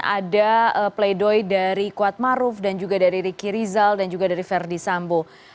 ada pleidoy dari kuatmaruf dan juga dari riki rizal dan juga dari verdi sambo